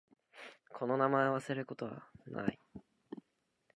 この名前を忘れることはない。